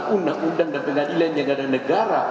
undang undang dan pengadilan yang ada negara